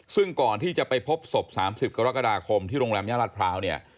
ซึ่งก่อนที่จะไปพบศพ๓๐กรกฎาคมที่โรงแรมย่ารัฐพร้าวเนี่ย